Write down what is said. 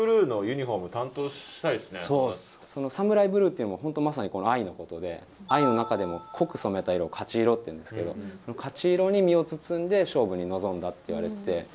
ＳＡＭＵＲＡＩＢＬＵＥっていうのも本当まさにこの藍のことで藍の中でも濃く染めた色を褐色っていうんですけど褐色に身を包んで勝負に臨んだっていわれてて。